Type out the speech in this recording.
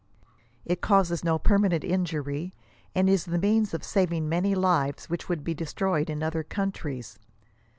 It causes no permanent injury, and is the means of saving many lives which would be destroyed in other countries."